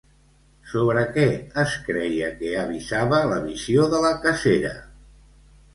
Sobre què es creia que avisava la visió de la cacera?